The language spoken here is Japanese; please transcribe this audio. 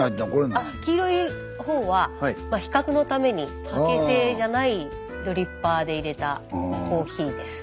あ黄色い方は比較のために竹製じゃないドリッパーでいれたコーヒーです。